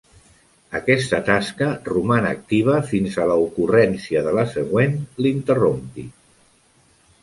Aquesta tasca roman activa fins a la ocurrència de la següent l'interrompi.